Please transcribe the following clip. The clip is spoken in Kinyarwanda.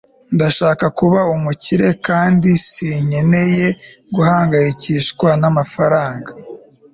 ndashaka kuba umukire kandi sinkeneye guhangayikishwa n'amafaranga